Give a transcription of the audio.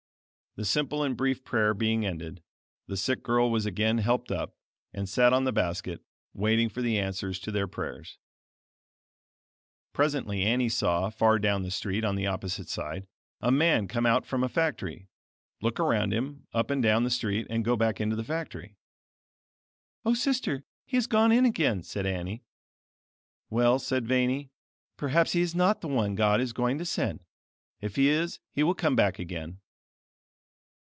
The simple and brief prayer being ended, the sick girl was again helped up, and sat on the basket, waiting for the answers to their prayers. Presently Annie saw, far down the street on the opposite side, a man come out from a factory, look around him up and down the street and go back into the factory. "O sister, he has gone in again," said Annie. "Well," said Vanie, "perhaps he is not the one God is going to send. If he is he will come back again."